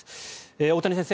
大谷先生